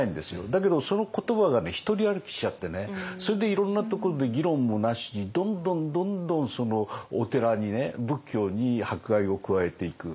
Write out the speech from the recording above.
だけどその言葉が独り歩きしちゃってそれでいろんなところで議論もなしにどんどんどんどんお寺に仏教に迫害を加えていく。